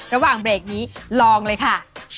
ระหว่างเมืองประมวลนี้ลองเลยค่ะ